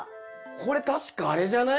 これ確かあれじゃない？